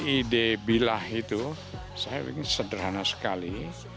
ide bilah itu saya pikir sederhana sekali